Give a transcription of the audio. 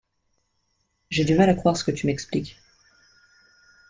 J’ai du mal à croire ce que tu m’expliques.